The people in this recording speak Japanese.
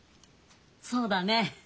そうだねぇ。